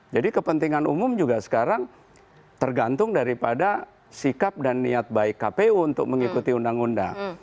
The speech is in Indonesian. jadi kepentingan umum juga sekarang tergantung daripada sikap dan niat baik kpu untuk mengikuti undang undang